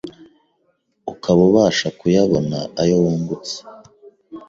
ukaba ubasha kuyabona ayo wungutse,